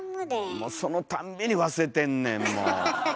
もうそのたんびに忘れてんねんもう。